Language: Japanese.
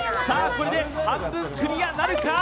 これで半分クリアなるか？